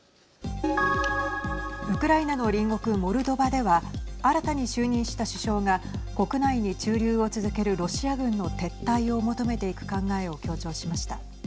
ウクライナの隣国モルドバでは新たに就任した首相が国内に駐留を続けるロシア軍の撤退を求めていく考えを強調しました。